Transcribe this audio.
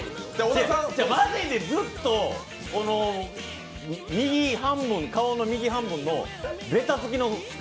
まじでずっと顔の右半分のべたつきすごい。